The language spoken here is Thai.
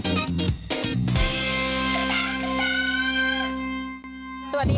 โปรดติดตามตอนต่อไป